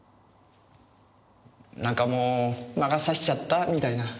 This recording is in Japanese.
なんかもう魔が差しちゃったみたいな。